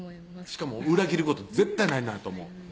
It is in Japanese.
しかも裏切ること絶対ないなと思う